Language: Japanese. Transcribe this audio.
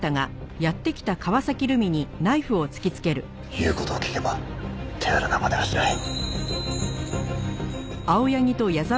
言う事を聞けば手荒なまねはしない。